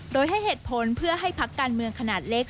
โดยให้เหตุผลเพื่อให้พักการเมืองขนาดเล็ก